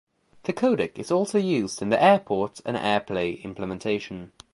The codec is also used in the AirPort and AirPlay implementation.